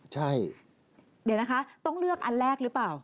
ใช่เดี๋ยวนะคะต้องเลือกอันแรกหรือเปล่า